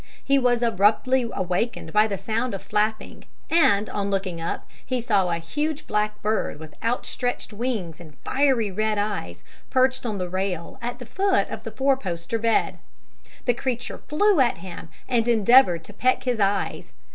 He was abruptly awakened by the sound of flapping, and, on looking up, he saw a huge black bird with outstretched wings and fiery red eyes perched on the rail at the foot of the four poster bed. The creature flew at him and endeavoured to peck his eyes.